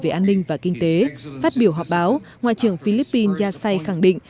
về an ninh và kinh tế phát biểu họp báo ngoại trưởng philippines yasai khẳng định